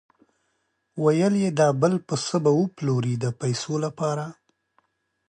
ویل یې دا بل پسه به وپلوري د پیسو لپاره.